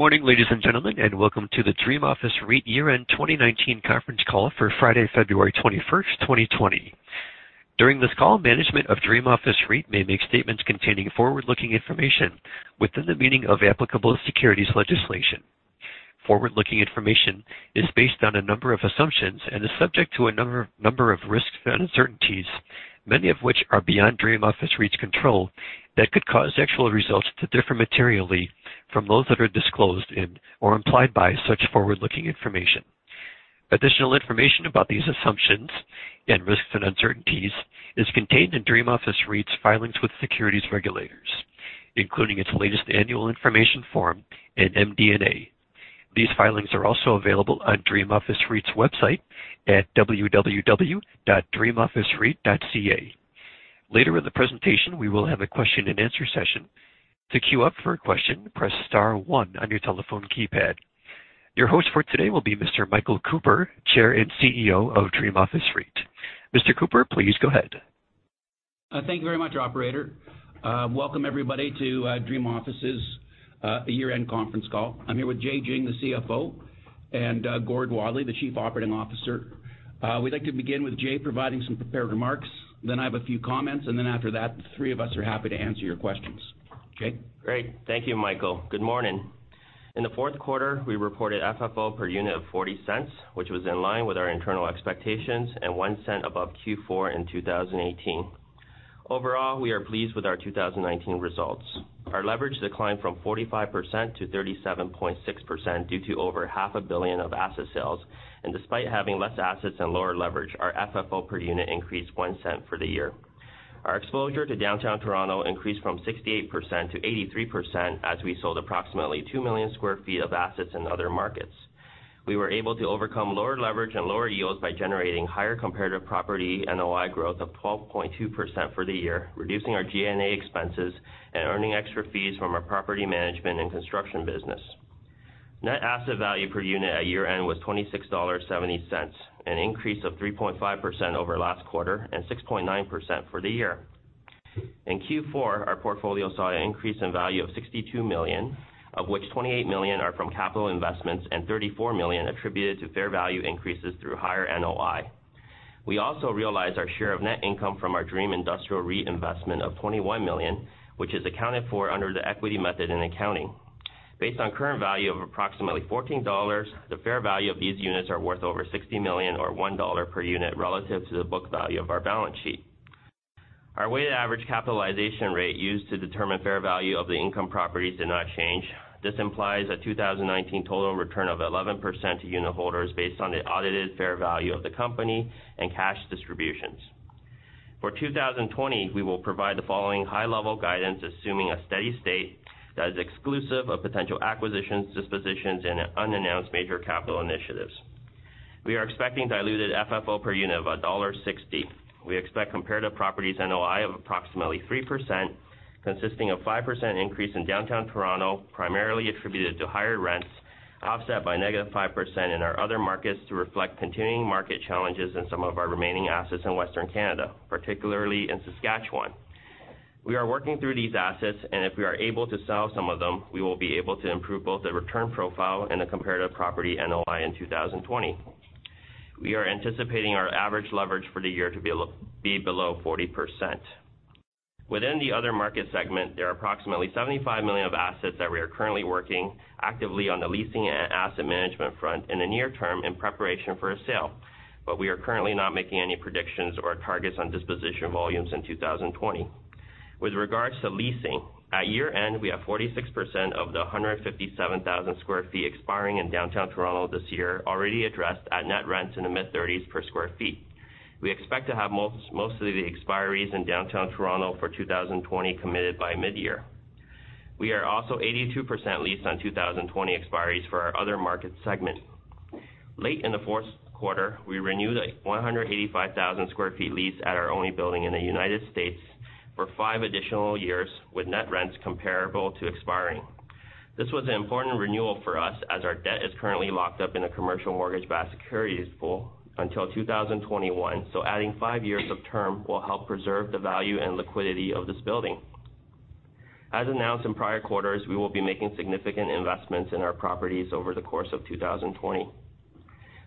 Good morning, ladies and gentlemen, and welcome to the Dream Office REIT Year-End 2019 Conference Call for Friday, February 21st, 2020. During this call, management of Dream Office REIT may make statements containing forward-looking information within the meaning of applicable securities legislation. Forward-looking information is based on a number of assumptions and is subject to a number of risks and uncertainties, many of which are beyond Dream Office REIT's control, that could cause actual results to differ materially from those that are disclosed in or implied by such forward-looking information. Additional information about these assumptions and risks and uncertainties is contained in Dream Office REIT's filings with securities regulators, including its latest annual information form and MD&A. These filings are also available on Dream Office REIT's website at www.dreamofficereit.ca. Later in the presentation, we will have a question and answer session. To queue up for a question, press star one on your telephone keypad. Your host for today will be Mr. Michael Cooper, Chair and CEO of Dream Office REIT. Mr. Cooper, please go ahead. Thank you very much, operator. Welcome everybody to Dream Office's Year-End Conference Call. I'm here with Jay Jiang, the CFO, and Gord Wadley, the Chief Operating Officer. We'd like to begin with Jay providing some prepared remarks, then I have a few comments, and then after that, the three of us are happy to answer your questions. Jay? Great. Thank you, Michael. Good morning. In the fourth quarter, we reported FFO per unit of 0.40, which was in line with our internal expectations, and 0.01 above Q4 in 2018. Overall, we are pleased with our 2019 results. Our leverage declined from 45% to 37.6% due to over 500 million of asset sales. Despite having less assets and lower leverage, our FFO per unit increased 0.01 for the year. Our exposure to Downtown Toronto increased from 68% to 83% as we sold approximately 2 million sq ft of assets in other markets. We were able to overcome lower leverage and lower yields by generating higher comparative property NOI growth of 12.2% for the year, reducing our G&A expenses and earning extra fees from our property management and construction business. Net asset value per unit at year-end was 26.70 dollars, an increase of 3.5% over last quarter and 6.9% for the year. In Q4, our portfolio saw an increase in value of 62 million, of which 28 million are from capital investments and 34 million attributed to fair value increases through higher NOI. We also realized our share of net income from our Dream Industrial REIT investment of 21 million, which is accounted for under the equity method in accounting. Based on current value of approximately 14 dollars, the fair value of these units are worth over 60 million or 1 dollar per unit relative to the book value of our balance sheet. Our weighted average capitalization rate used to determine fair value of the income properties did not change. This implies a 2019 total return of 11% to unitholders based on the audited fair value of the company and cash distributions. For 2020, we will provide the following high-level guidance, assuming a steady state that is exclusive of potential acquisitions, dispositions, and unannounced major capital initiatives. We are expecting diluted FFO per unit of dollar 1.60. We expect comparative properties NOI of approximately 3%, consisting of 5% increase in Downtown Toronto, primarily attributed to higher rents, offset by -5% in our other markets to reflect continuing market challenges in some of our remaining assets in Western Canada, particularly in Saskatchewan. We are working through these assets, and if we are able to sell some of them, we will be able to improve both the return profile and the comparative property NOI in 2020. We are anticipating our average leverage for the year to be below 40%. Within the other market segment, there are approximately 75 million of assets that we are currently working actively on the leasing and asset management front in the near term in preparation for a sale. We are currently not making any predictions or targets on disposition volumes in 2020. With regards to leasing, at year-end, we have 46% of the 157,000 sq ft expiring in Downtown Toronto this year already addressed at net rents in the mid-CAD 30s per sq ft. We expect to have most of the expiries in Downtown Toronto for 2020 committed by mid-year. We are also 82% leased on 2020 expiries for our other market segment. Late in the fourth quarter, we renewed a 185,000 sq ft lease at our only building in the United States for five additional years with net rents comparable to expiring. This was an important renewal for us as our debt is currently locked up in a Commercial Mortgage-Backed Securities pool until 2021. Adding five years of term will help preserve the value and liquidity of this building. As announced in prior quarters, we will be making significant investments in our properties over the course of 2020.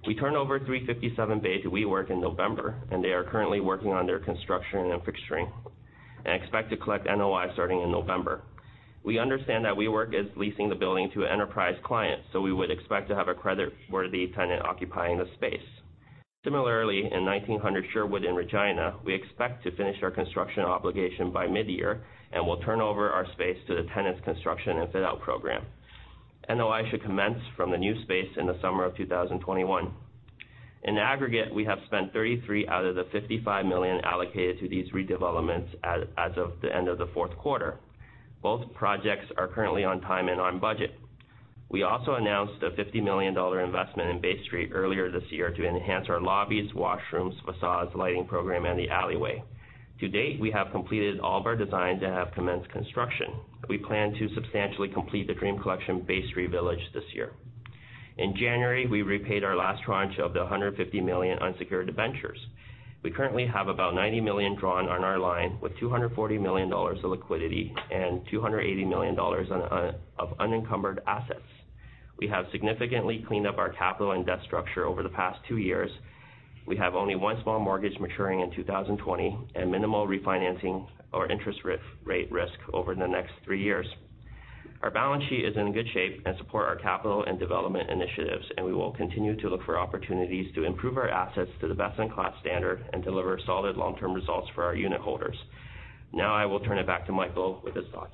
We turned over 357 Bay to WeWork in November. They are currently working on their construction and fixturing, and expect to collect NOI starting in November. We understand that WeWork is leasing the building to an enterprise client. We would expect to have a creditworthy tenant occupying the space. Similarly, in 1900 Sherwood in Regina, we expect to finish our construction obligation by mid-year. We'll turn over our space to the tenant's construction and fit-out program. NOI should commence from the new space in the summer of 2021. In aggregate, we have spent 33 million out of the 55 million allocated to these redevelopments as of the end of the fourth quarter. Both projects are currently on time and on budget. We also announced a 50 million dollar investment in Bay Street earlier this year to enhance our lobbies, washrooms, facades, lighting program, and the alleyway. To date, we have completed all of our designs and have commenced construction. We plan to substantially complete the Dream Collection Bay Street Village this year. In January, we repaid our last tranche of the 150 million unsecured debentures. We currently have about 90 million drawn on our line with 240 million dollars of liquidity and 280 million dollars of unencumbered assets. We have significantly cleaned up our capital and debt structure over the past two years. We have only one small mortgage maturing in 2020 and minimal refinancing or interest rate risk over the next three years. Our balance sheet is in good shape and support our capital and development initiatives, and we will continue to look for opportunities to improve our assets to the best-in-class standard and deliver solid long-term results for our unit holders. I will turn it back to Michael with his thoughts.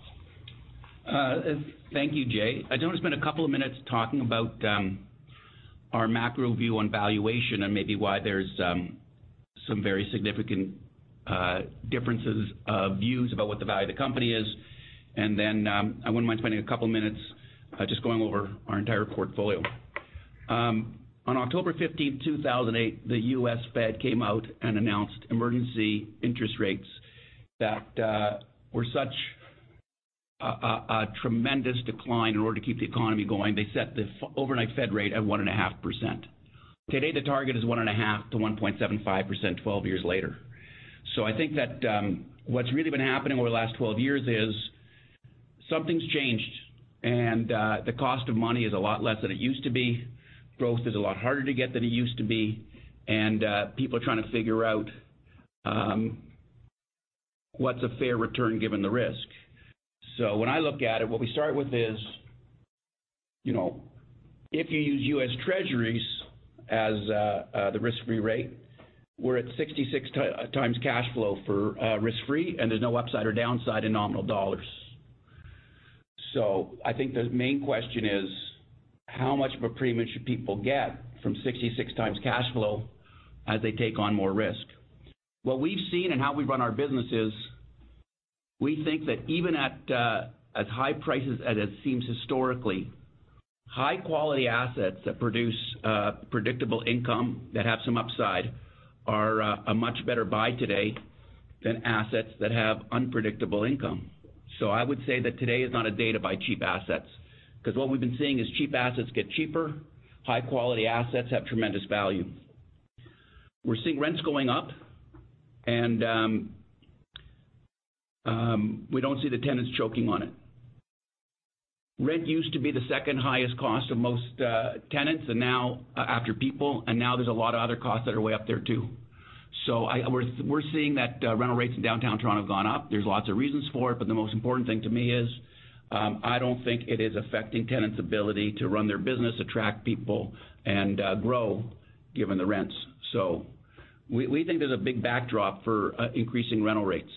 Thank you, Jay. I just want to spend a couple of minutes talking about our macro view on valuation and maybe why there's some very significant differences of views about what the value of the company is. I wouldn't mind spending a couple of minutes just going over our entire portfolio. On October 15th, 2008, the U.S. Fed came out and announced emergency interest rates that were such a tremendous decline in order to keep the economy going. They set the overnight Fed rate at 1.5%. Today, the target is 1.5%-1.75%, 12 years later. I think that what's really been happening over the last 12 years is something's changed, and the cost of money is a lot less than it used to be. Growth is a lot harder to get than it used to be, and people are trying to figure out what's a fair return given the risk. When I look at it, what we start with is, if you use U.S. Treasuries as the risk-free rate, we're at 66x cash flow for risk-free, and there's no upside or downside in nominal dollars. I think the main question is how much of a premium should people get from 66x cash flow as they take on more risk? What we've seen in how we run our business is, we think that even at high prices, as it seems historically, high-quality assets that produce predictable income that have some upside are a much better buy today than assets that have unpredictable income. I would say that today is not a day to buy cheap assets, because what we've been seeing is cheap assets get cheaper. High-quality assets have tremendous value. We're seeing rents going up, and we don't see the tenants choking on it. Rent used to be the second highest cost of most tenants, and now, after people, and now there's a lot of other costs that are way up there, too. We're seeing that rental rates in Downtown Toronto have gone up. There's lots of reasons for it, but the most important thing to me is, I don't think it is affecting tenants' ability to run their business, attract people, and grow, given the rents. We think there's a big backdrop for increasing rental rates,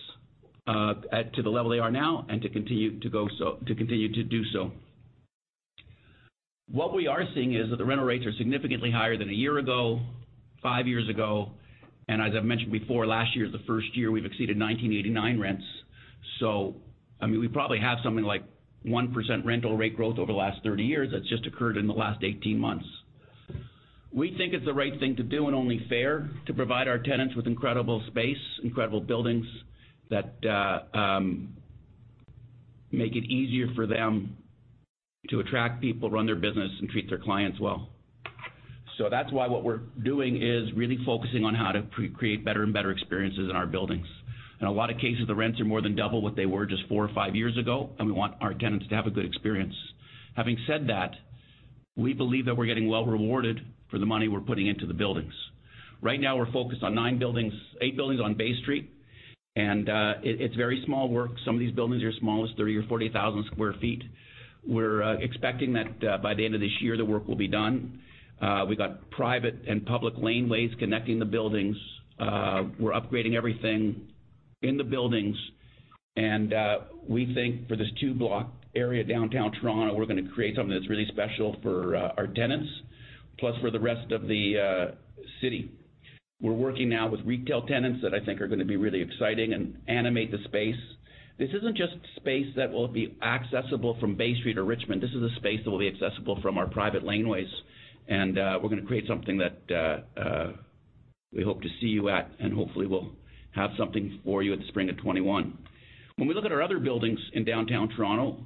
to the level they are now and to continue to do so. What we are seeing is that the rental rates are significantly higher than a year ago, five years ago, and as I've mentioned before, last year is the first year we've exceeded 1989 rents. I mean, we probably have something like 1% rental rate growth over the last 30 years that's just occurred in the last 18 months. We think it's the right thing to do and only fair to provide our tenants with incredible space, incredible buildings that make it easier for them to attract people, run their business, and treat their clients well. That's why what we're doing is really focusing on how to create better and better experiences in our buildings. In a lot of cases, the rents are more than double what they were just four or five years ago, and we want our tenants to have a good experience. Having said that, we believe that we're getting well rewarded for the money we're putting into the buildings. Right now, we're focused on nine buildings, eight buildings on Bay Street, and it's very small work. Some of these buildings are as small as 30,000 or 40,000 sq ft. We're expecting that by the end of this year, the work will be done. We've got private and public laneways connecting the buildings. We're upgrading everything in the buildings, and we think for this two-block area, Downtown Toronto, we're going to create something that's really special for our tenants, plus for the rest of the city. We're working now with retail tenants that I think are going to be really exciting and animate the space. This isn't just space that will be accessible from Bay Street or Richmond. This is a space that will be accessible from our private laneways. We're going to create something that we hope to see you at, and hopefully, we'll have something for you at the spring of 2021. When we look at our other buildings in Downtown Toronto,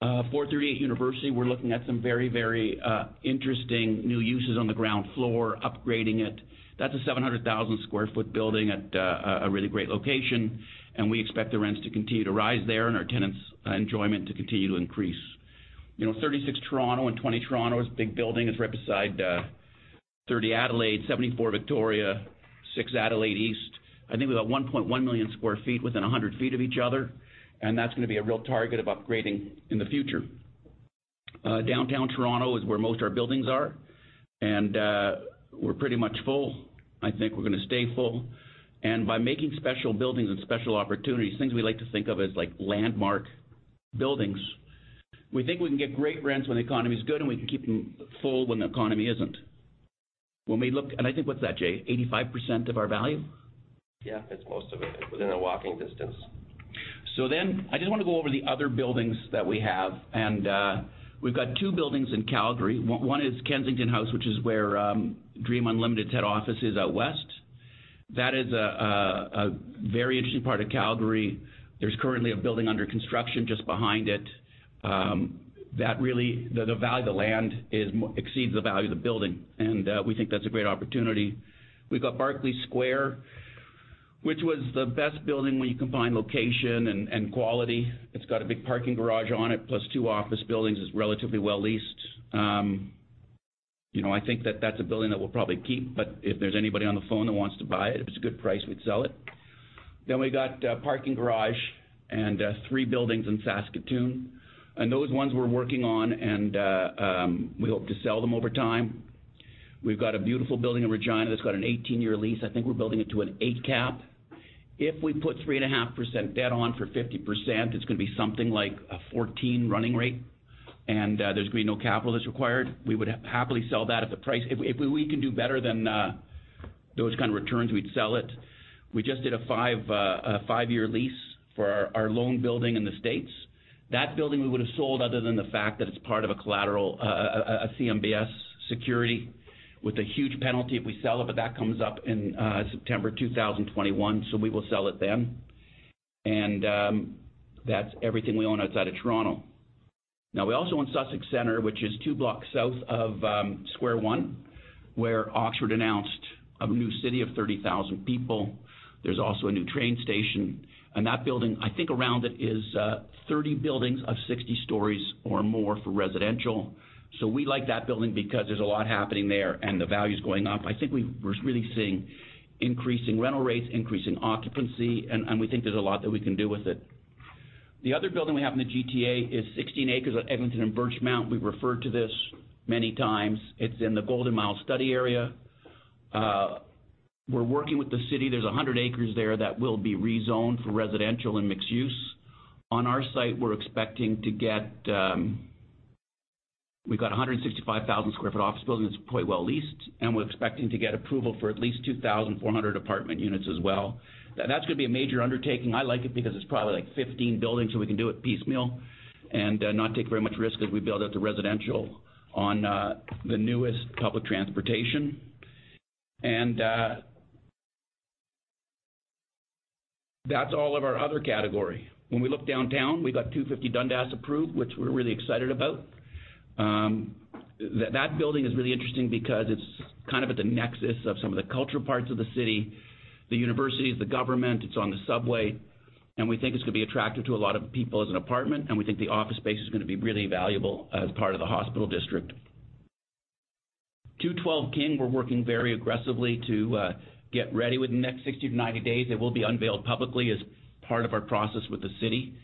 438 University, we're looking at some very interesting new uses on the ground floor, upgrading it. That's a 700,000 sq ft building at a really great location, and we expect the rents to continue to rise there and our tenants' enjoyment to continue to increase. 36 Toronto and 20 Toronto is a big building. It's right beside 30 Adelaide, 74 Victoria, 6 Adelaide East. I think we've got 1.1 million sq ft within 100 ft of each other, and that's going to be a real target of upgrading in the future. Downtown Toronto is where most our buildings are, and we're pretty much full. I think we're going to stay full. By making special buildings and special opportunities, things we like to think of as like landmark buildings, we think we can get great rents when the economy's good, and we can keep them full when the economy isn't. I think, what's that, Jay? 85% of our value? Yeah. It's most of it. Within a walking distance. I just want to go over the other buildings that we have. We've got two buildings in Calgary. One is Kensington House, which is where Dream Unlimited's head office is out west. That is a very interesting part of Calgary. There's currently a building under construction just behind it. The value of the land exceeds the value of the building, and we think that's a great opportunity. We've got Barclay Centre, which was the best building where you combine location and quality. It's got a big parking garage on it, plus two office buildings. It's relatively well leased. I think that that's a building that we'll probably keep, but if there's anybody on the phone that wants to buy it, if it's a good price, we'd sell it. We got a parking garage and three buildings in Saskatoon. Those ones we're working on, and we hope to sell them over time. We've got a beautiful building in Regina that's got an 18-year lease. I think we're building it to an eight cap. If we put 3.5% debt on for 50%, it's going to be something like a 14 running rate, and there's going to be no capital that's required. We would happily sell that at the price. If we can do better than those kind of returns, we'd sell it. We just did a five-year lease for our loan building in the U.S. That building we would've sold other than the fact that it's part of a CMBS security with a huge penalty if we sell it, but that comes up in September 2021, so we will sell it then. That's everything we own outside of Toronto. We also own Sussex Centre, which is two blocks south of Square One, where Oxford announced a new city of 30,000 people. There's also a new train station. That building, I think around it is 30 buildings of 60 stories or more for residential. We like that building because there's a lot happening there, and the value's going up. I think we're really seeing increasing rental rates, increasing occupancy, and we think there's a lot that we can do with it. The other building we have in the GTA is 16 acres at Eglinton and Birchmount. We've referred to this many times. It's in the Golden Mile study area. We're working with the city. There's 100 acres there that will be rezoned for residential and mixed use. On our site, we've got a 165,000 sq ft office building that's quite well leased, and we're expecting to get approval for at least 2,400 apartment units as well. That's going to be a major undertaking. I like it because it's probably 15 buildings. We can do it piecemeal and not take very much risk as we build out the residential on the newest public transportation. That's all of our other category. When we look downtown, we've got 250 Dundas approved, which we're really excited about. That building is really interesting because it's kind of at the nexus of some of the cultural parts of the city, the universities, the government. It's on the subway. We think it's going to be attractive to a lot of people as an apartment. We think the office space is going to be really valuable as part of the hospital district. 212 King, we're working very aggressively to get ready within the next 60-90 days. It will be unveiled publicly as part of our process with the city.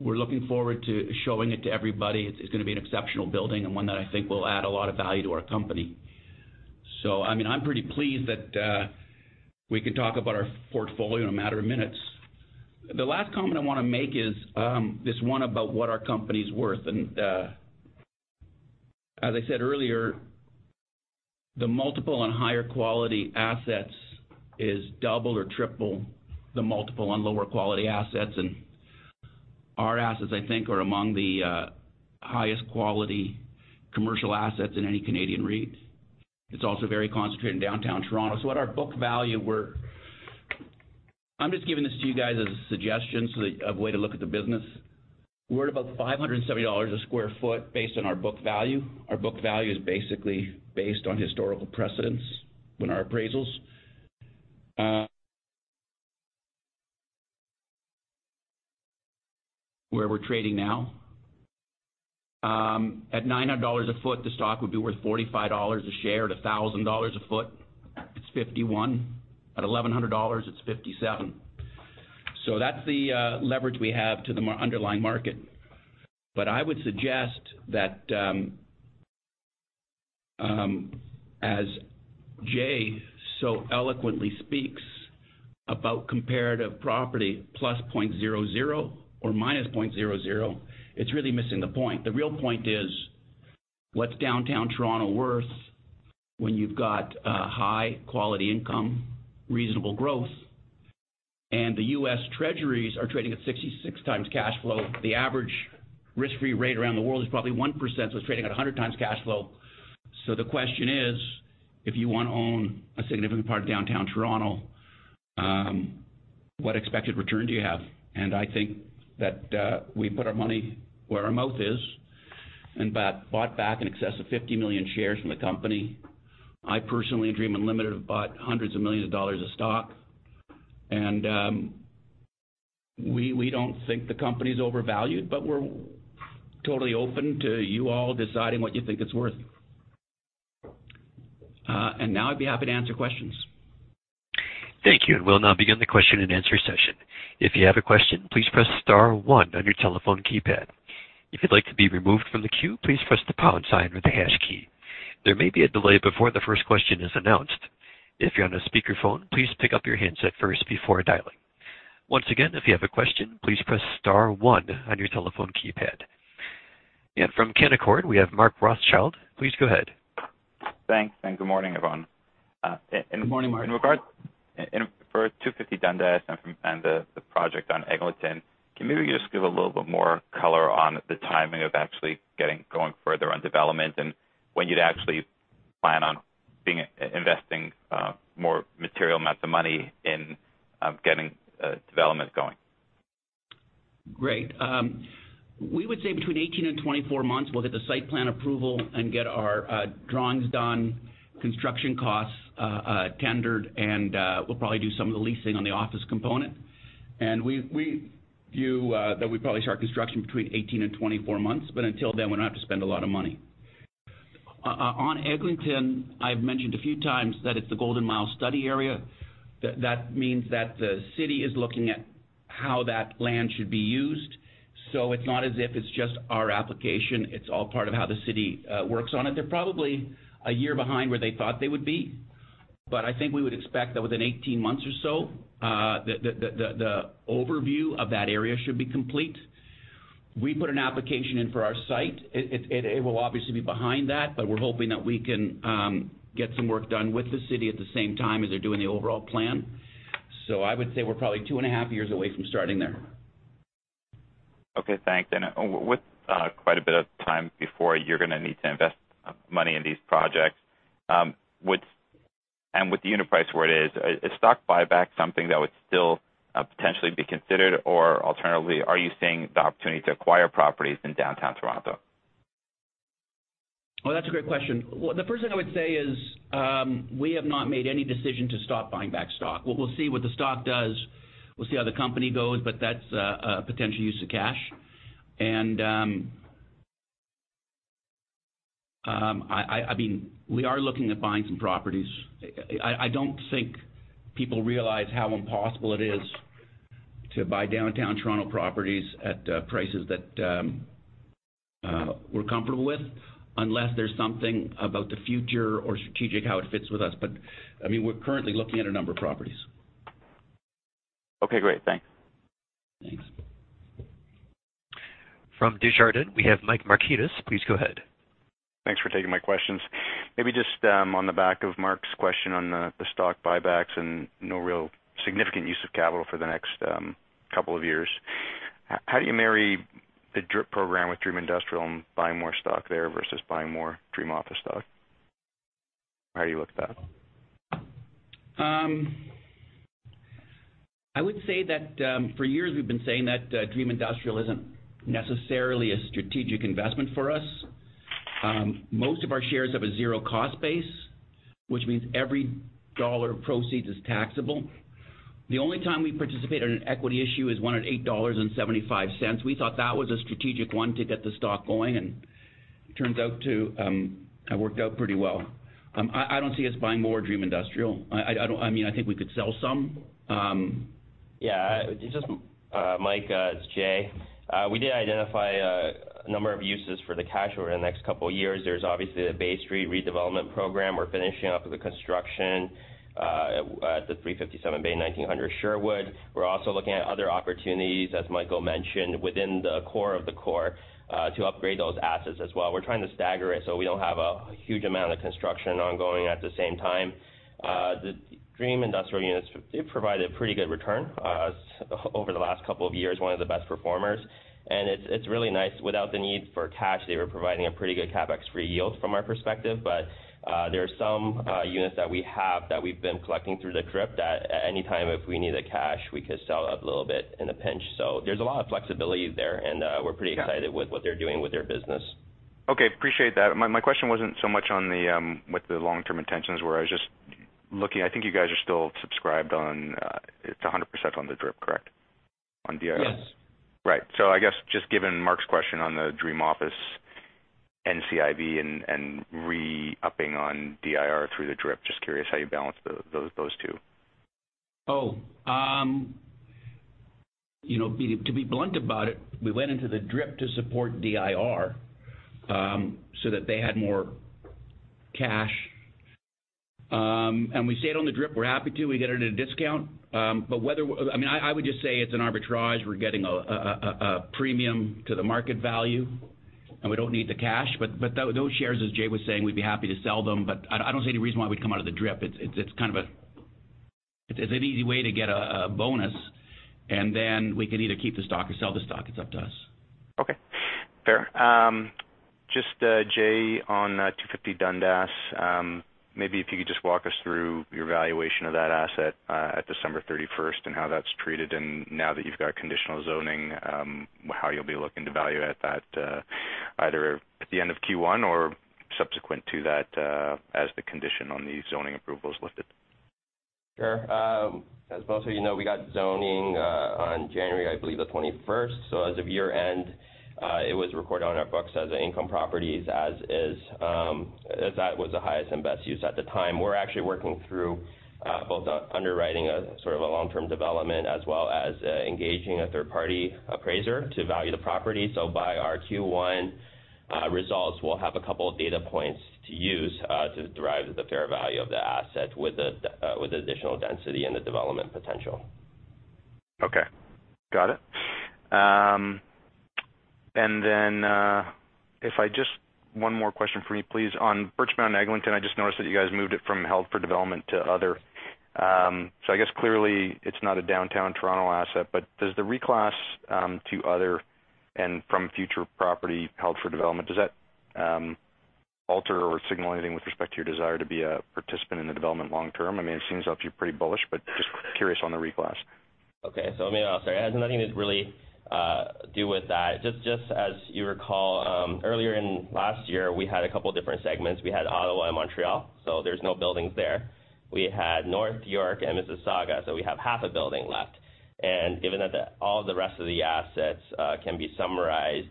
We're looking forward to showing it to everybody. It's going to be an exceptional building and one that I think will add a lot of value to our company. I'm pretty pleased that we can talk about our portfolio in a matter of minutes. The last comment I want to make is this one about what our company's worth. As I said earlier, the multiple on higher quality assets is double or triple the multiple on lower quality assets. Our assets, I think, are among the highest quality commercial assets in any Canadian REIT. It's also very concentrated in Downtown Toronto. What our book value, I'm just giving this to you guys as a suggestion, a way to look at the business. We're at about 570 dollars a sq ft based on our book value. Our book value is basically based on historical precedence. Where we're trading now. At 900 dollars a ft, the stock would be worth 45 dollars a share. At 1,000 dollars a ft, it's 51. At 1,100 dollars, it's 57. That's the leverage we have to the underlying market. I would suggest that, as Jay so eloquently speaks about comparative property +0.00 or -0.00, it's really missing the point. The real point is what's Downtown Toronto worth when you've got high-quality income, reasonable growth, and the U.S. Treasuries are trading at 66x cash flow. The average risk-free rate around the world is probably 1%, it's trading at 100x cash flow. The question is, if you want to own a significant part of Downtown Toronto, what expected return do you have? I think that we put our money where our mouth is and bought back in excess of 50 million shares from the company. I personally, Dream Unlimited, have bought hundreds of millions of dollars of stock. We don't think the company's overvalued, we're totally open to you all deciding what you think it's worth. Now I'd be happy to answer questions. Thank you. We'll now begin the question and answer session. If you have a question, please press star one on your telephone keypad. If you'd like to be removed from the queue, please press the pound sign or the hash key. There may be a delay before the first question is announced. If you're on a speakerphone, please pick up your handset first before dialing. Once again, if you have a question, please press star one on your telephone keypad. From Canaccord, we have Mark Rothschild. Please go ahead. Thanks, good morning, everyone. Good morning, Mark. For 250 Dundas and the project on Eglinton, can maybe you just give a little bit more color on the timing of actually getting going further on development and when you'd actually plan on investing more material amounts of money in getting development going? Great. We would say between 18 and 24 months, we'll get the site plan approval and get our drawings done, construction costs tendered. We'll probably do some of the leasing on the office component. We view that we'd probably start construction between 18 and 24 months. Until then, we don't have to spend a lot of money. On Eglinton, I've mentioned a few times that it's the Golden Mile study area. That means the city is looking at how that land should be used. It's not as if it's just our application. It's all part of how the city works on it. They're probably a year behind where they thought they would be. I think we would expect that within 18 months or so, the overview of that area should be complete. We put an application in for our site. It will obviously be behind that, we're hoping that we can get some work done with the city at the same time as they're doing the overall plan. I would say we're probably two and a half years away from starting there. Okay, thanks. With quite a bit of time before you're going to need to invest money in these projects, and with the unit price where it is stock buyback something that would still potentially be considered? Alternatively, are you seeing the opportunity to acquire properties in Downtown Toronto? Well, that's a great question. The first thing I would say is, we have not made any decision to stop buying back stock. We'll see what the stock does. We'll see how the company goes, but that's a potential use of cash. I mean, we are looking at buying some properties. I don't think people realize how impossible it is to buy Downtown Toronto properties at prices that we're comfortable with unless there's something about the future or strategic how it fits with us. I mean, we're currently looking at a number of properties. Okay, great. Thanks. Thanks. From Desjardins, we have Mike Markidis. Please go ahead. Thanks for taking my questions. Just on the back of Mark's question on the stock buybacks and no real significant use of capital for the next couple of years. How do you marry the DRIP program with Dream Industrial and buying more stock there versus buying more Dream Office stock? How do you look at that? I would say that for years we've been saying that Dream Industrial isn't necessarily a strategic investment for us. Most of our shares have a zero cost base, which means every dollar of proceeds is taxable. The only time we participate in an equity issue is one at 8.75 dollars. We thought that was a strategic one to get the stock going, and it turns out to have worked out pretty well. I don't see us buying more Dream Industrial. I think we could sell some. Yeah. Mike, it's Jay. We did identify a number of uses for the cash over the next couple of years. There's obviously the Bay Street redevelopment program. We're finishing up the construction at the 357 Bay and 1900 Sherwood. We're also looking at other opportunities, as Michael mentioned, within the core of the core, to upgrade those assets as well. We're trying to stagger it so we don't have a huge amount of construction ongoing at the same time. The Dream Industrial units, it provided a pretty good return. Over the last couple of years, one of the best performers. It's really nice. Without the need for cash, they were providing a pretty good CapEx free yield from our perspective. There are some units that we have that we've been collecting through the DRIP that at any time if we needed cash, we could sell a little bit in a pinch. There's a lot of flexibility there, and we're pretty excited. Yeah with what they're doing with their business. Okay. Appreciate that. My question wasn't so much with the long-term intentions were. I was just looking, I think you guys are still subscribed on, it's 100% on the DRIP, correct? On DIR. Yes. Right. I guess just given Mark's question on the Dream Office NCIB and re-upping on DIR through the DRIP, just curious how you balance those two. To be blunt about it, we went into the DRIP to support DIR, so that they had more cash. We stayed on the DRIP. We're happy to. We get it at a discount. I would just say it's an arbitrage. We're getting a premium to the market value, and we don't need the cash. Those shares, as Jay was saying, we'd be happy to sell them. I don't see any reason why we'd come out of the DRIP. It's an easy way to get a bonus, and then we could either keep the stock or sell the stock. It's up to us. Okay. Fair. Just, Jay, on 250 Dundas, maybe if you could just walk us through your valuation of that asset at December 31st and how that's treated, and now that you've got conditional zoning, how you'll be looking to value that either at the end of Q1 or subsequent to that, as the condition on the zoning approval is lifted? Sure. As most of you know, we got zoning on January, I believe, the 21st. As of year-end, it was recorded on our books as income properties as that was the highest and best use at the time. We're actually working through both the underwriting of sort of a long-term development as well as engaging a third-party appraiser to value the property. By our Q1 results, we'll have a couple of data points to use to derive the fair value of the asset with the additional density and the development potential. Okay. Got it. One more question for me, please. On Birchmount and Eglinton, I just noticed that you guys moved it from held for development to other. I guess clearly it's not a Downtown Toronto asset, but does the reclass to other and from future property held for development, does that alter or signal anything with respect to your desire to be a participant in the development long term? It seems up you're pretty bullish, but just curious on the reclass. Okay. Let me answer. It has nothing to really do with that. Just as you recall, earlier in last year, we had a couple different segments. We had Ottawa and Montreal. There's no buildings there. We had North York and Mississauga. We have half a building left. Given that all the rest of the assets can be summarized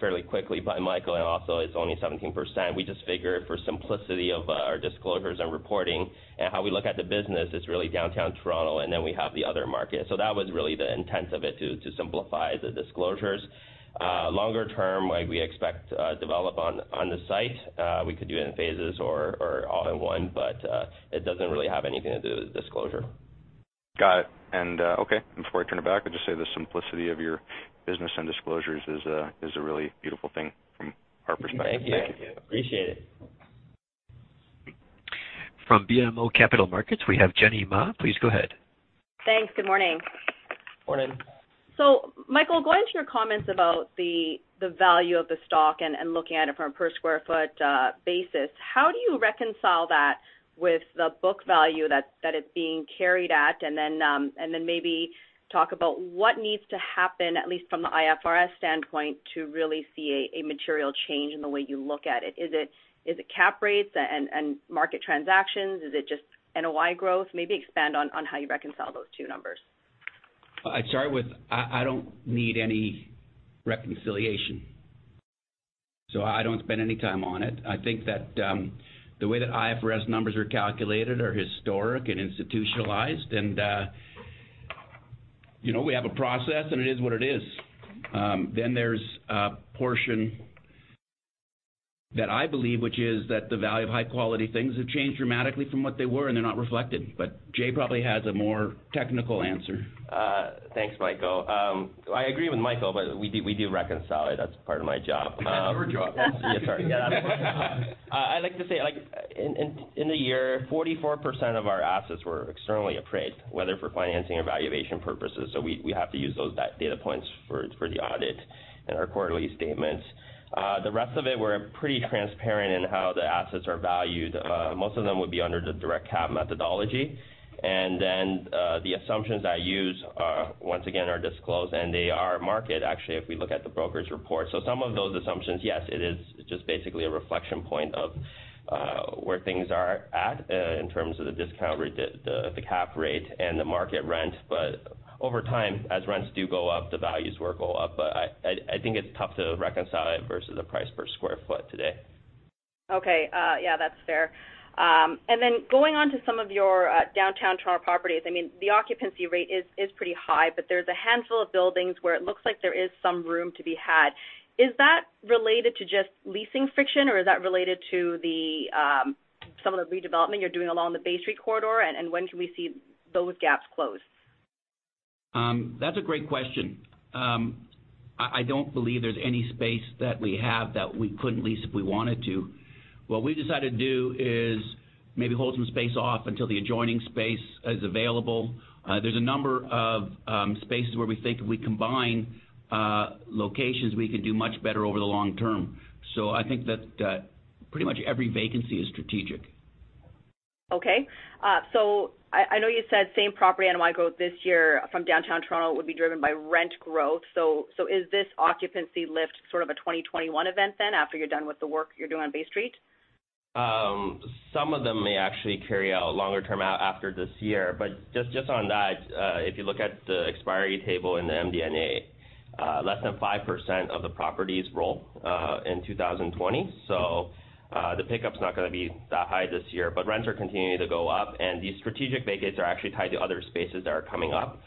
fairly quickly by Michael, and also it's only 17%, we just figured for simplicity of our disclosures and reporting and how we look at the business, it's really Downtown Toronto, and then we have the other market. That was really the intent of it, to simplify the disclosures. Longer term, we expect develop on the site. We could do it in phases or all in one. It doesn't really have anything to do with disclosure. Got it. Okay. Before I turn it back, I'd just say the simplicity of your business and disclosures is a really beautiful thing from our perspective. Thank you. Appreciate it. From BMO Capital Markets, we have Jenny Ma. Please go ahead. Thanks. Good morning. Morning. Michael, going to your comments about the value of the stock and looking at it from a per square foot basis, how do you reconcile that with the book value that it's being carried at? Maybe talk about what needs to happen, at least from the IFRS standpoint, to really see a material change in the way you look at it. Is it cap rates and market transactions? Is it just NOI growth? Maybe expand on how you reconcile those two numbers. I'd start with, I don't need any reconciliation, so I don't spend any time on it. I think that the way that IFRS numbers are calculated are historic and institutionalized, and we have a process, and it is what it is. There's a portion that I believe, which is that the value of high-quality things have changed dramatically from what they were, and they're not reflected. Jay probably has a more technical answer. Thanks, Michael. I agree with Michael, but we do reconcile it. That's part of my job. That's your job. Yeah, sorry. Yeah, that's my job. I'd like to say, in the year, 44% of our assets were externally appraised, whether for financing or valuation purposes, so we have to use those data points for the audit and our quarterly statements. The rest of it, we're pretty transparent in how the assets are valued. Most of them would be under the direct capitalization method. The assumptions I use are, once again, are disclosed, and they are market, actually, if we look at the brokers' reports. Some of those assumptions, yes, it is just basically a reflection point of where things are at in terms of the discount rate, the cap rate, and the market rent. Over time, as rents do go up, the values will go up. I think it's tough to reconcile it versus the price per square foot today. Okay. Yeah, that's fair. Going on to some of your Downtown Toronto properties, the occupancy rate is pretty high, but there's a handful of buildings where it looks like there is some room to be had. Is that related to just leasing friction, or is that related to some of the redevelopment you're doing along the Bay Street corridor? When can we see those gaps close? That's a great question. I don't believe there's any space that we have that we couldn't lease if we wanted to. What we decided to do is maybe hold some space off until the adjoining space is available. There's a number of spaces where we think if we combine locations, we could do much better over the long term. I think that pretty much every vacancy is strategic. Okay. I know you said same-property NOI growth this year from Downtown Toronto would be driven by rent growth. Is this occupancy lift sort of a 2021 event then after you're done with the work you're doing on Bay Street? Some of them may actually carry out longer term out after this year. Just on that, if you look at the expiry table in the MD&A, less than 5% of the properties roll in 2020. The pickup's not going to be that high this year, but rents are continuing to go up, and these strategic vacates are actually tied to other spaces that are coming up.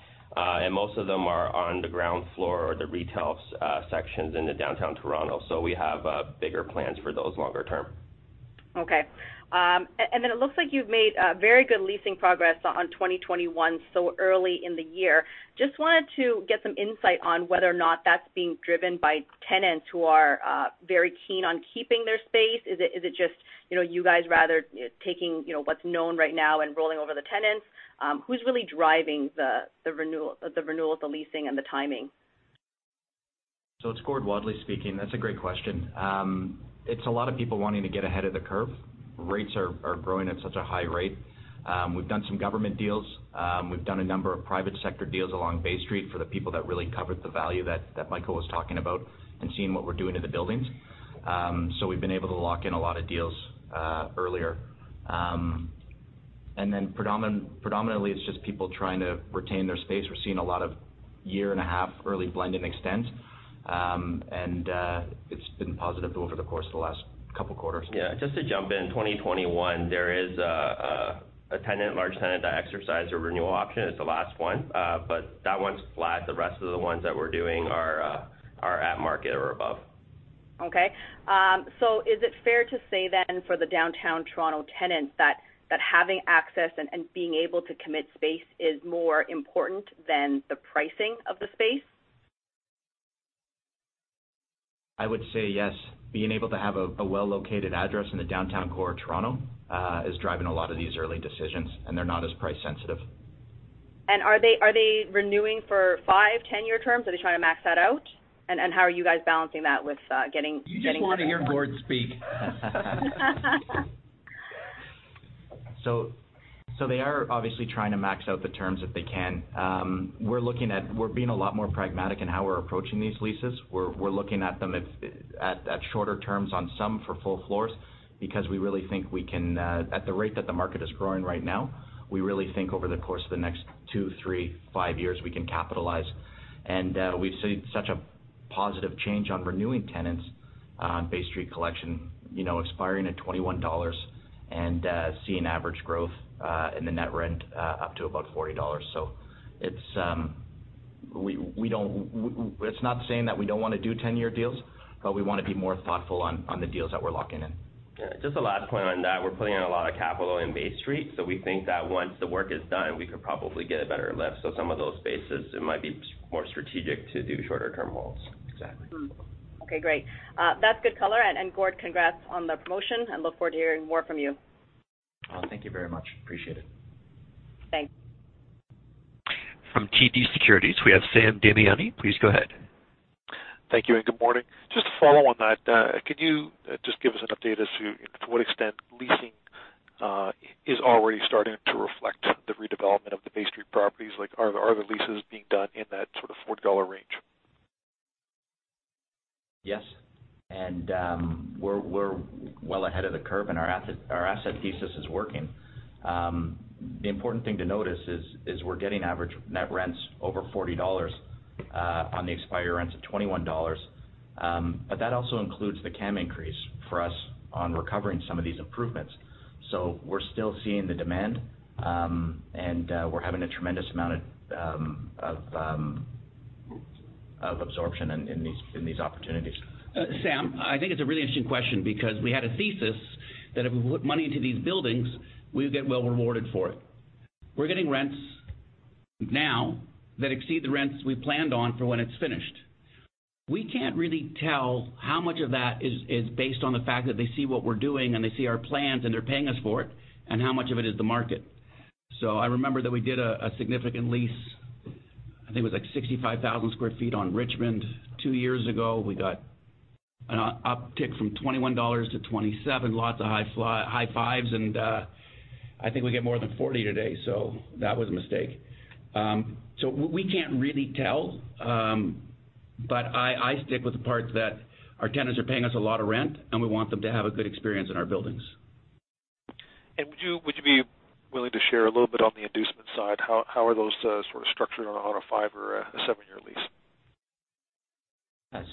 Most of them are on the ground floor or the retail sections into Downtown Toronto. We have bigger plans for those longer term. Okay. It looks like you've made very good leasing progress on 2021 so early in the year. I just wanted to get some insight on whether or not that's being driven by tenants who are very keen on keeping their space. Is it just you guys rather taking what's known right now and rolling over the tenants? Who's really driving the renewal of the leasing and the timing? It's Gord Wadley speaking. That's a great question. It's a lot of people wanting to get ahead of the curve. Rates are growing at such a high rate. We've done some government deals. We've done a number of private sector deals along Bay Street for the people that really covered the value that Michael was talking about and seeing what we're doing in the buildings. We've been able to lock in a lot of deals earlier. Predominantly, it's just people trying to retain their space. We're seeing a lot of year-and-a-half early blend and extend. It's been positive over the course of the last couple quarters. Yeah, just to jump in, 2021, there is a large tenant that exercised a renewal option. It's the last one. That one's flat. The rest of the ones that we're doing are at market or above. Okay. Is it fair to say, for the Downtown Toronto tenants, that having access and being able to commit space is more important than the pricing of the space? I would say yes. Being able to have a well-located address in the downtown core of Toronto is driving a lot of these early decisions, and they're not as price sensitive. Are they renewing for five, 10-year terms? Are they trying to max that out? How are you guys balancing that with getting? You just want to hear Gord speak. They are obviously trying to max out the terms if they can. We're being a lot more pragmatic in how we're approaching these leases. We're looking at them at shorter terms on some for full floors because we really think at the rate that the market is growing right now, we really think over the course of the next two, three, five years, we can capitalize. We've seen such a positive change on renewing tenants on Bay Street Collection expiring at 21 dollars and seeing average growth in the net rent up to about 40 dollars. It's not saying that we don't want to do 10-year deals, but we want to be more thoughtful on the deals that we're locking in. Just a last point on that. We're putting in a lot of capital in Bay Street, so we think that once the work is done, we could probably get a better lift. Some of those spaces, it might be more strategic to do shorter-term holds. Exactly. Okay, great. That's good color. Gord, congrats on the promotion and look forward to hearing more from you. Thank you very much. Appreciate it. Thanks. From TD Securities, we have Sam Damiani. Please go ahead. Thank you and good morning. Just to follow on that, could you just give us an update as to what extent leasing is already starting to reflect the redevelopment of the Bay Street properties? Are the leases being done in that sort of 40 dollar range? Yes. We're well ahead of the curve, and our asset thesis is working. The important thing to notice is we're getting average net rents over 40 dollars on the expired rents of 21 dollars. That also includes the CAM increase for us on recovering some of these improvements. We're still seeing the demand, and we're having a tremendous amount of absorption in these opportunities. Sam, I think it's a really interesting question because we had a thesis that if we put money into these buildings, we'd get well rewarded for it. We're getting rents now that exceed the rents we planned on for when it's finished. We can't really tell how much of that is based on the fact that they see what we're doing and they see our plans and they're paying us for it, and how much of it is the market. I remember that we did a significant lease, I think it was like 65,000 sq ft on Richmond two years ago. We got an uptick from 21 dollars to 27. Lots of high fives. I think we get more than 40 today, so that was a mistake. We can't really tell. I stick with the part that our tenants are paying us a lot of rent, and we want them to have a good experience in our buildings. Would you be willing to share a little bit on the inducement side? How are those sort of structured on a five- or a seven-year lease?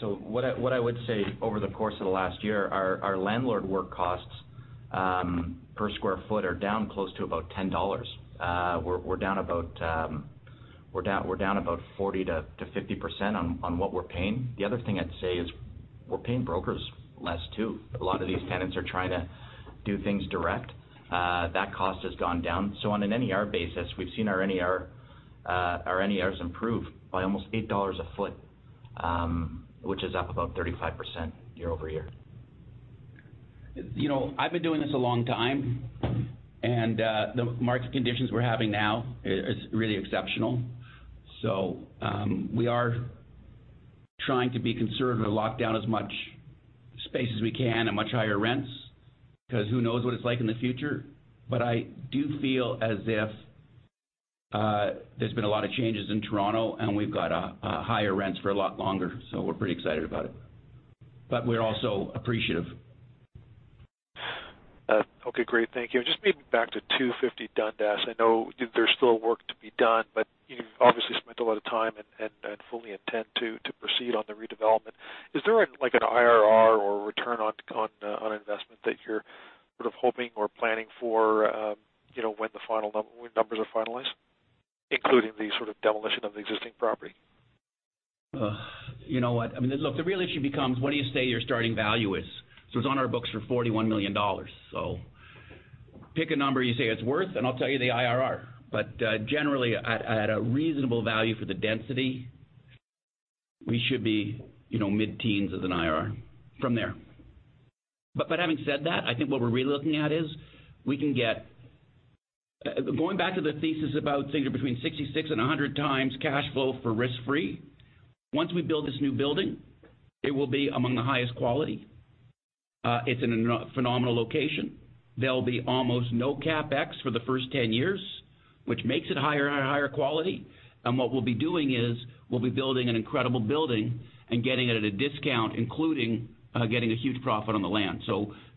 What I would say over the course of the last year, our landlord work costs per square foot are down close to about 10 dollars. We're down about 40%-50% on what we're paying. The other thing I'd say is we're paying brokers less, too. A lot of these tenants are trying to do things direct. That cost has gone down. On an NER basis, we've seen our NERs improve by almost 8 dollars a ft, which is up about 35% year-over-year. I've been doing this a long time, and the market conditions we're having now is really exceptional. We are trying to be conservative and lock down as much space as we can at much higher rents, because who knows what it's like in the future. I do feel as if there's been a lot of changes in Toronto, and we've got higher rents for a lot longer. We're pretty excited about it. We're also appreciative. Okay, great. Thank you. Maybe back to 250 Dundas. I know there's still work to be done, but you've obviously spent a lot of time and fully intend to proceed on the redevelopment. Is there like an IRR or return on investment that you're sort of hoping or planning for when numbers are finalized, including the sort of demolition of the existing property? You know what, look, the real issue becomes what do you say your starting value is? It's on our books for 41 million dollars. Pick a number you say it's worth, and I'll tell you the IRR. Generally, at a reasonable value for the density, we should be mid-teens as an IRR from there. Having said that, I think what we're really looking at is we can get Going back to the thesis about things are between 66x and 100x cash flow for risk-free. Once we build this new building, it will be among the highest quality. It's in a phenomenal location. There'll be almost no CapEx for the first 10 years, which makes it higher and higher quality. What we'll be doing is we'll be building an incredible building and getting it at a discount, including getting a huge profit on the land.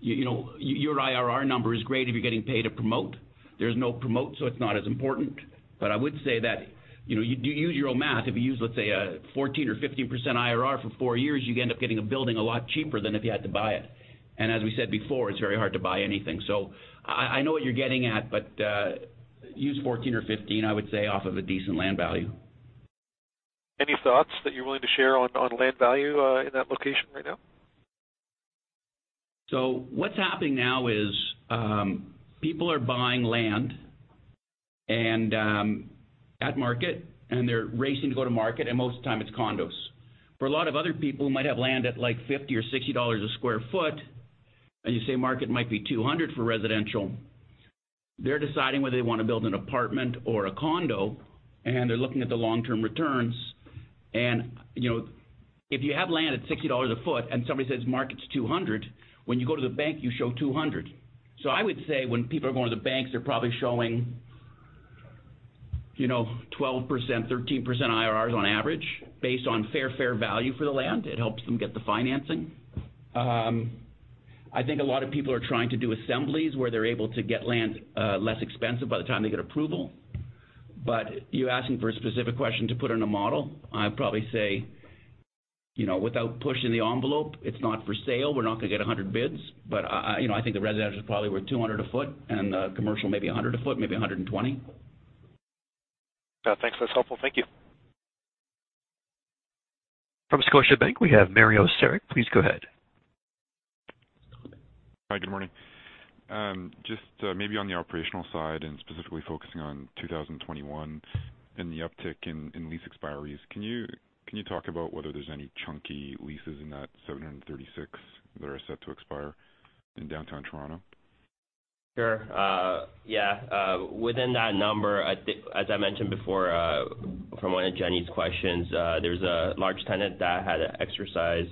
Your IRR number is great if you're getting paid to promote. There's no promote, it's not as important. I would say that, use your own math. If you use, let's say, a 14% or 15% IRR for four years, you end up getting a building a lot cheaper than if you had to buy it. As we said before, it's very hard to buy anything. I know what you're getting at, but use 14 or 15, I would say, off of a decent land value. Any thoughts that you're willing to share on land value in that location right now? What's happening now is people are buying land at market, and they're racing to go to market, and most of the time it's condos. For a lot of other people who might have land at 50 or 60 dollars a sq ft, and you say market might be 200 for residential. They're deciding whether they want to build an apartment or a condo, and they're looking at the long-term returns. If you have land at 60 dollars a ft and somebody says market's 200, when you go to the bank, you show 200. I would say when people are going to the banks, they're probably showing 12%, 13% IRRs on average based on fair value for the land. It helps them get the financing. I think a lot of people are trying to do assemblies where they're able to get land less expensive by the time they get approval. You're asking for a specific question to put in a model. I'd probably say, without pushing the envelope, it's not for sale. We're not going to get 100 bids. I think the residential is probably worth 200 a ft and the commercial maybe 100 a ft, maybe 120. Thanks. That is helpful. Thank you. From Scotiabank, we have Mario Saric. Please go ahead. Hi, good morning. Just maybe on the operational side and specifically focusing on 2021 and the uptick in lease expiries, can you talk about whether there's any chunky leases in that 736 that are set to expire in Downtown Toronto? Within that number, as I mentioned before from one of Jenny's questions, there's a large tenant that had to exercise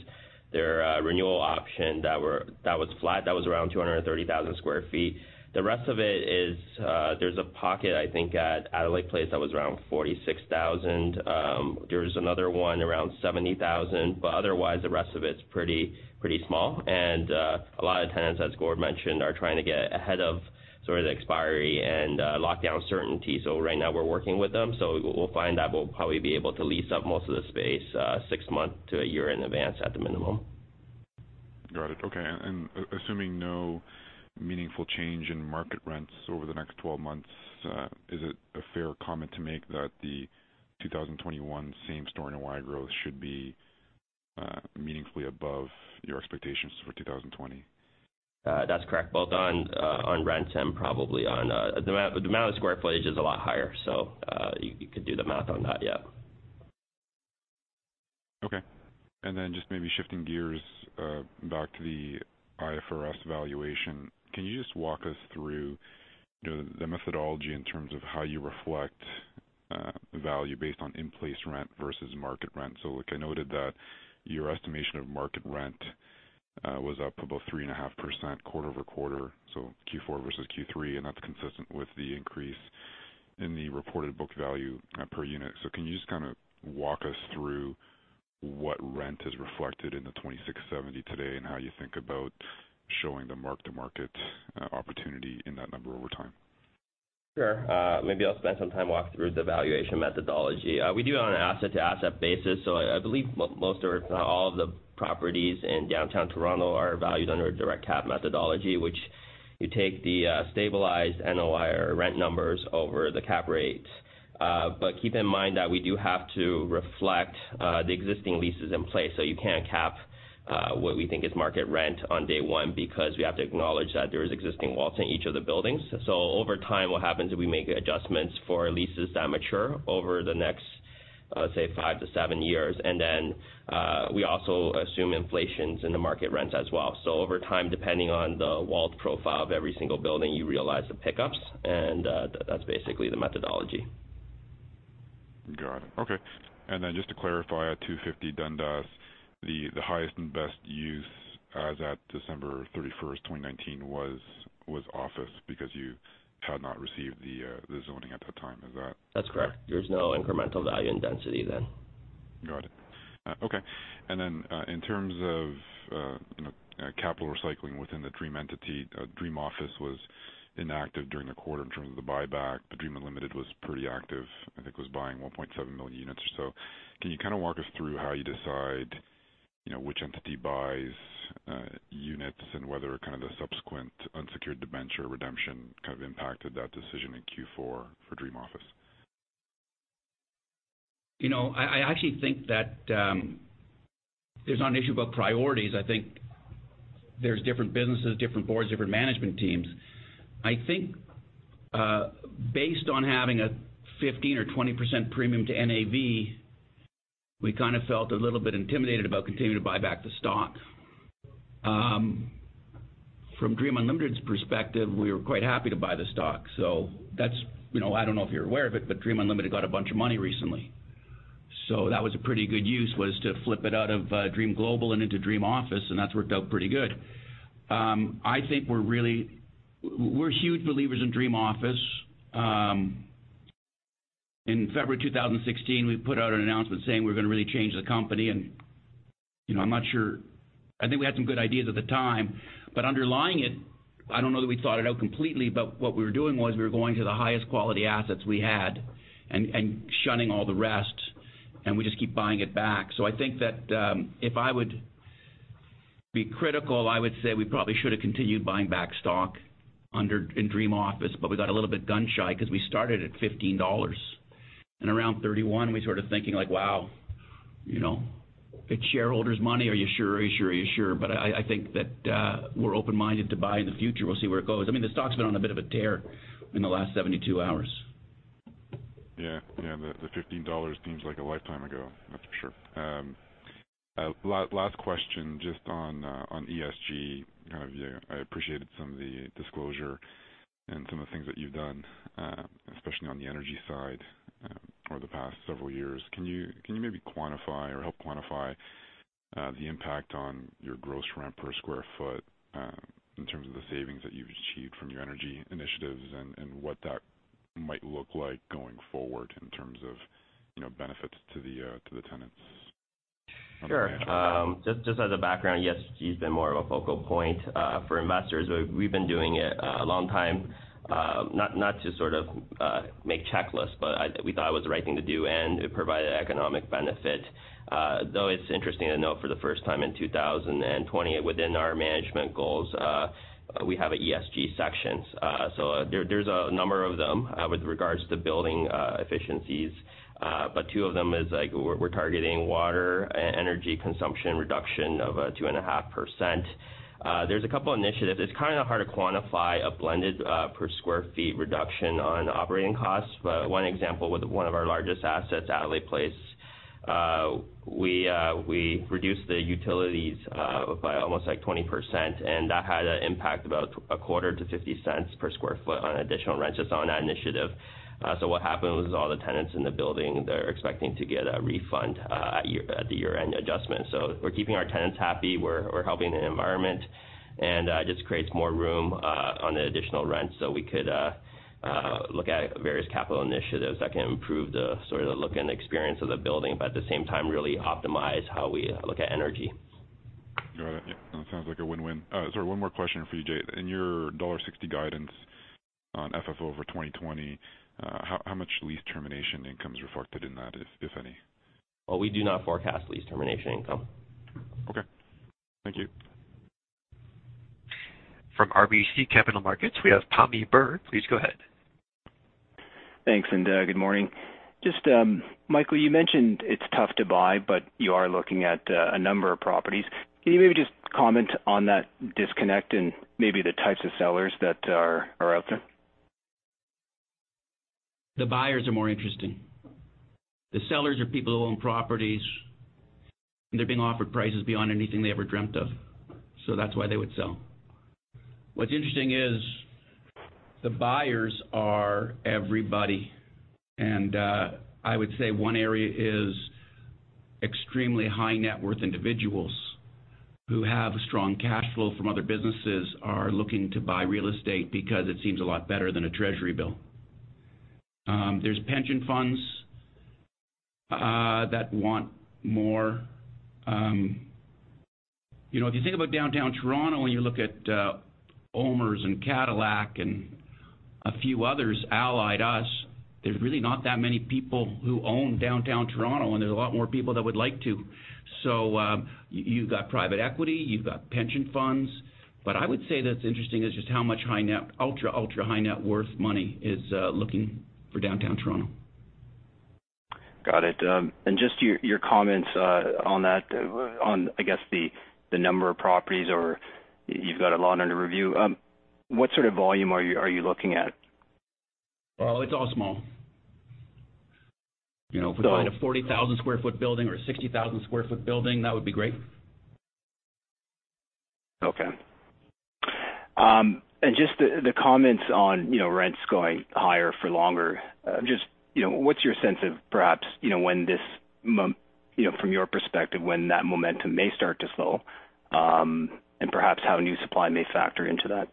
their renewal option that was flat, that was around 230,000 sq ft. The rest of it is, there's a pocket, I think at Adelaide Place that was around 46,000. There's another one around 70,000. Otherwise, the rest of it's pretty small. A lot of tenants, as Gord mentioned, are trying to get ahead of sort of the expiry and lockdown certainty. Right now we're working with them. We'll find that we'll probably be able to lease up most of the space six months to a year in advance at the minimum. Got it. Okay. Assuming no meaningful change in market rents over the next 12 months, is it a fair comment to make that the 2021 same-store NOI growth should be meaningfully above your expectations for 2020? That's correct. Both on rents and probably, the amount of square footage is a lot higher, so you could do the math on that, yeah. Okay. Then just maybe shifting gears back to the IFRS valuation, can you just walk us through the methodology in terms of how you reflect value based on in-place rent versus market rent? Like I noted that your estimation of market rent was up about 3.5% quarter-over-quarter, so Q4 versus Q3, and that's consistent with the increase in the reported book value per unit. Can you just kind of walk us through what rent is reflected in the 2,670 today and how you think about showing the mark-to-market opportunity in that number over time? Sure. Maybe I'll spend some time walking through the valuation methodology. We do it on an asset-to-asset basis. I believe most, if not all of the properties in Downtown Toronto are valued under a direct capitalization method, which you take the stabilized NOI or rent numbers over the cap rates. Keep in mind that we do have to reflect the existing leases in place. You can't cap what we think is market rent on day one because we have to acknowledge that there is existing WALs in each of the buildings. Over time, what happens is we make adjustments for leases that mature over the next, say five to seven years. We also assume inflations in the market rents as well. Over time, depending on the WAL profile of every single building, you realize the pickups, and that's basically the methodology. Got it. Okay. Just to clarify, at 250 Dundas, the highest and best use as at December 31st, 2019 was office because you had not received the zoning at that time. Is that correct? That's correct. There's no incremental value in density then. Got it. Okay. In terms of capital recycling within the Dream entity, Dream Office was inactive during the quarter in terms of the buyback. Dream Unlimited was pretty active. I think it was buying 1.7 million units or so. Can you kind of walk us through how you decide which entity buys units and whether kind of the subsequent unsecured debenture redemption kind of impacted that decision in Q4 for Dream Office? I actually think that there's not an issue about priorities. I think there's different businesses, different boards, different management teams. I think based on having a 15% or 20% premium to NAV, we kind of felt a little bit intimidated about continuing to buy back the stock. From Dream Unlimited's perspective, we were quite happy to buy the stock. I don't know if you're aware of it, but Dream Unlimited got a bunch of money recently. That was a pretty good use, was to flip it out of Dream Global and into Dream Office, and that's worked out pretty good. I think we're huge believers in Dream Office. In February 2016, we put out an announcement saying we're going to really change the company, and I'm not sure. I think we had some good ideas at the time. Underlying it, I don't know that we thought it out completely, but what we were doing was we were going to the highest quality assets we had and shunning all the rest. We just keep buying it back. I think that if I would be critical, I would say we probably should have continued buying back stock in Dream Office, but we got a little bit gun-shy because we started at 15 dollars. Around 31, we started thinking, like, wow. It's shareholders' money. Are you sure? I think that we're open-minded to buy in the future. We'll see where it goes. The stock's been on a bit of a tear in the last 72 hours. Yeah. The 15 dollars seems like a lifetime ago, that's for sure. Last question, just on ESG. I appreciated some of the disclosure and some of the things that you've done, especially on the energy side over the past several years. Can you maybe quantify or help quantify the impact on your gross rent per square foot in terms of the savings that you've achieved from your energy initiatives and what that might look like going forward in terms of benefits to the tenants? Sure. Just as a background, ESG has been more of a focal point for investors. We've been doing it a long time. Not to sort of make checklists, but we thought it was the right thing to do, and it provided economic benefit. It's interesting to note, for the first time in 2020, within our management goals, we have a ESG section. There's a number of them with regards to building efficiencies. Two of them is, we're targeting water and energy consumption reduction of 2.5%. There's a couple initiatives. It's kind of hard to quantify a blended per square feet reduction on operating costs. One example with one of our largest assets, Adelaide Place, we reduced the utilities by almost 20%, and that had an impact about a quarter to 0.50 per sq ft on additional rents just on that initiative. What happens is all the tenants in the building, they're expecting to get a refund at the year-end adjustment. We're keeping our tenants happy, we're helping the environment, and it just creates more room on the additional rent. We could look at various capital initiatives that can improve the look and experience of the building, but at the same time, really optimize how we look at energy. Got it. Yeah. No, it sounds like a win-win. Sorry, one more question for you, Jay. In your CAD 1.60 guidance on FFO for 2020, how much lease termination income is reflected in that, if any? Well, we do not forecast lease termination income. Okay. Thank you. From RBC Capital Markets, we have Pammi Bir. Please go ahead. Thanks, good morning. Michael, you mentioned it's tough to buy. You are looking at a number of properties. Can you maybe just comment on that disconnect and maybe the types of sellers that are out there? The buyers are more interesting. The sellers are people who own properties, and they're being offered prices beyond anything they ever dreamt of. That's why they would sell. What's interesting is the buyers are everybody. I would say one area is extremely high net worth individuals who have a strong cash flow from other businesses are looking to buy real estate because it seems a lot better than a treasury bill. There's pension funds that want more. If you think about Downtown Toronto, you look at OMERS and Cadillac and a few others Allied Properties REIT, there's really not that many people who own Downtown Toronto, there's a lot more people that would like to. You've got private equity, you've got pension funds. I would say that it's interesting is just how much ultra high net worth money is looking for Downtown Toronto. Got it. Just your comments on that, I guess the number of properties, or you've got a lot under review. What sort of volume are you looking at? Well, it's all small. If we find a 40,000 sq ft building or a 60,000 sq ft building, that would be great. Okay. Just the comments on rents going higher for longer, just what's your sense of perhaps, from your perspective, when that momentum may start to slow, and perhaps how new supply may factor into that?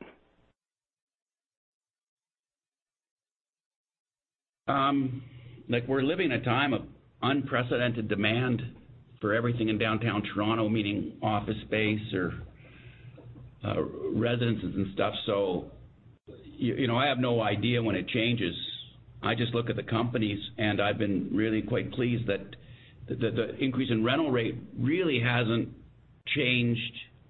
We're living in a time of unprecedented demand for everything in Downtown Toronto, meaning office space or residences and stuff. I have no idea when it changes. I just look at the companies, and I've been really quite pleased that the increase in rental rate really hasn't changed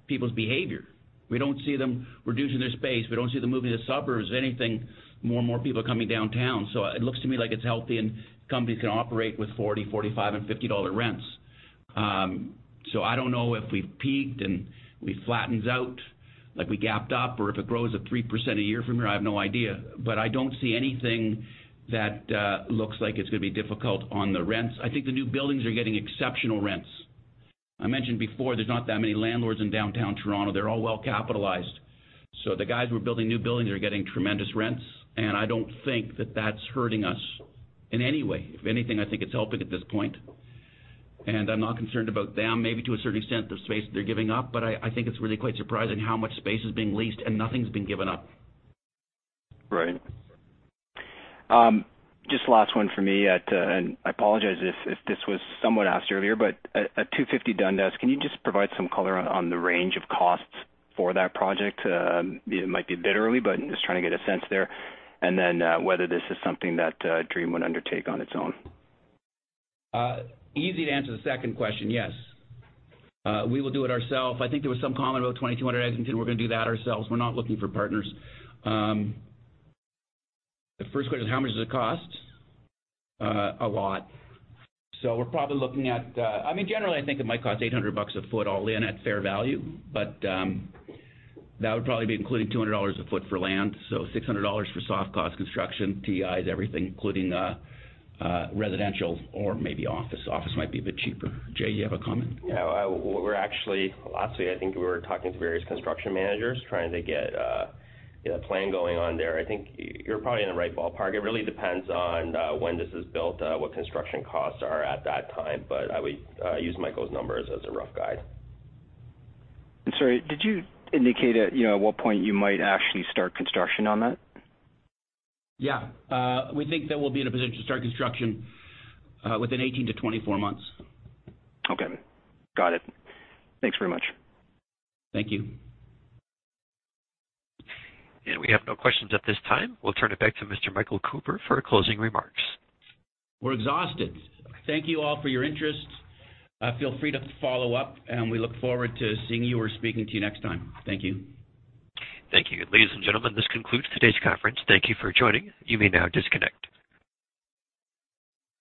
people's behavior. We don't see them reducing their space. We don't see them moving to the suburbs, anything. More and more people are coming downtown. It looks to me like it's healthy, and companies can operate with 40, 45, and 50 dollar rents. I don't know if we've peaked and it flattens out, like we gapped up, or if it grows at 3% a year from here, I have no idea. I don't see anything that looks like it's going to be difficult on the rents. I think the new buildings are getting exceptional rents. I mentioned before, there's not that many landlords in Downtown Toronto. They're all well-capitalized. The guys who are building new buildings are getting tremendous rents, and I don't think that that's hurting us in any way. If anything, I think it's helping at this point. I'm not concerned about them, maybe to a certain extent, the space that they're giving up, but I think it's really quite surprising how much space is being leased and nothing's been given up. Right. Just last one for me. I apologize if this was somewhat asked earlier, at 250 Dundas, can you just provide some color on the range of costs for that project? It might be a bit early, just trying to get a sense there. Whether this is something that Dream would undertake on its own. Easy to answer the second question. Yes. We will do it ourselves. I think there was some comment about 2,200. As I said, we're going to do that ourselves. We're not looking for partners. The first question is how much does it cost? A lot. We're probably looking at, generally, I think it might cost 800 bucks a ft all in at fair value, but that would probably be including 200 dollars a ft for land. 600 dollars for soft cost construction, TIs, everything, including residential or maybe office. Office might be a bit cheaper. Jay, you have a comment? Yeah. We're actually, lastly, I think we were talking to various construction managers trying to get a plan going on there. I think you're probably in the right ballpark. It really depends on when this is built, what construction costs are at that time. I would use Michael's numbers as a rough guide. Sorry, did you indicate at what point you might actually start construction on that? Yeah. We think that we'll be in a position to start construction within 18-24 months. Okay. Got it. Thanks very much. Thank you. We have no questions at this time. We'll turn it back to Mr. Michael Cooper for closing remarks. We're exhausted. Thank you all for your interest. Feel free to follow up, and we look forward to seeing you or speaking to you next time. Thank you. Thank you. Ladies and gentlemen, this concludes today's conference. Thank you for joining. You may now disconnect.